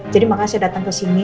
jadi makanya saya datang kesini